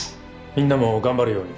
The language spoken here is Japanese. みんなも頑張るように。